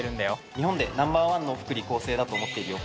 日本でナンバーワンの福利厚生だと思っているよ